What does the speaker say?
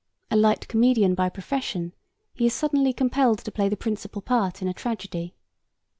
A light comedian by profession, he is suddenly compelled to play the principal part in a tragedy.